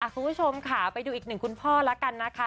คุณผู้ชมค่ะไปดูอีกหนึ่งคุณพ่อแล้วกันนะคะ